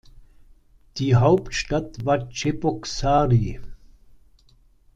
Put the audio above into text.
Die Hauptstadt war Tscheboksary.